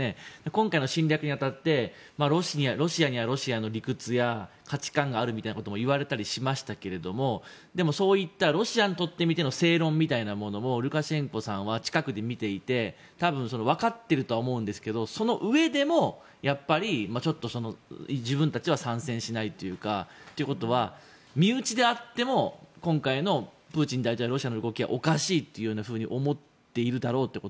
今回の侵略に当たってロシアにはロシアの理屈や価値観があるみたいなことも言われたりしましたけれどもそういったロシアにとってみての正論みたいなものをルカシェンコさんは近くで見ていて、たぶん分かっているとは思うんですけどそのうえでも、自分たちは参戦しないということは身内であっても今回のプーチン大統領やロシアの動きはおかしいというふうに思っているだろうと？